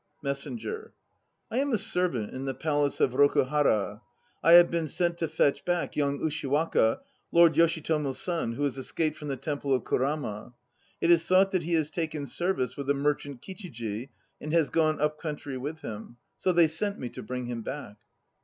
MESSENGER. I am a servant in the Palace of Rokuhara. I have been sent to fetch back young Ushiwaka, Lord Yoshitomo's son, who has escaped from the Temple of Kurama. It is thought that he has taken service with the merchant Kichiji and has gone up country with him; so they sent me to bring him back.